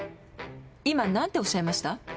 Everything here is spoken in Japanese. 今何ておっしゃいました？